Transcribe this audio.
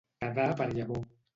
Quedar per llavor.